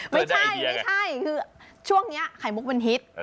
ไม่ใช่คือช่วงนี้ไข่มุกเป็นฮิต